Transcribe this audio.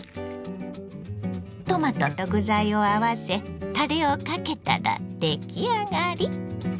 トマトと具材を合わせタレをかけたら出来上がり。